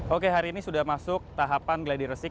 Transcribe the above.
oke hari ini sudah masuk tahapan gladi bersih